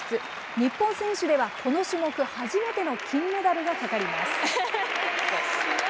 日本選手ではこの種目、初めての金メダルがかかります。